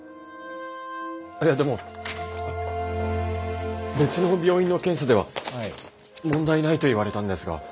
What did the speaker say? えでも別の病院の検査では問題ないと言われたんですが。